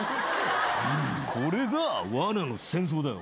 これが『罠の戦争』だよ。